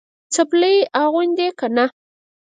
څپلۍ اغوندې که نه؟